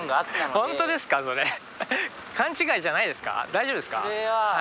大丈夫ですか？